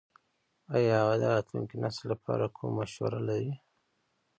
ایا هغه د راتلونکي نسل لپاره کومه مشوره لري ?